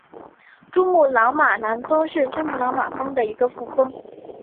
珠穆朗玛南峰是珠穆朗玛峰的一个副峰。